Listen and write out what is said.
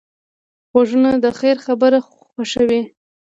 غوږونه د خیر خبره خوښوي